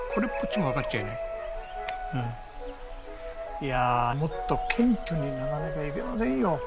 いやもっと謙虚にならなきゃいけませんよ。